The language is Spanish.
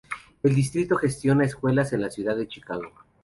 El distrito gestiona escuelas en la Ciudad de Chicago.